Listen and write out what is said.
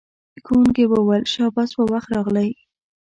ښوونکی وویل شاباس په وخت راغلئ.